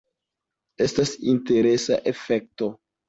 Estas interesa efekto.